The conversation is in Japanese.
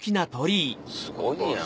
すごいやん。